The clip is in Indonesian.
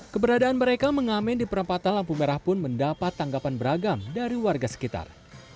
keberadaan mereka mengamen di perempatan lampu merah pun mendapat tanggapan beragam dari warga sekitar